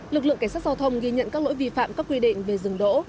lực lượng cảnh sát giao thông ghi nhận các lỗi vi phạm các quy định về dừng đỗ